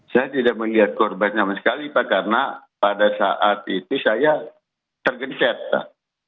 saya tidak melihat korban sama sekali pak karena pada saat itu saya tergenset pak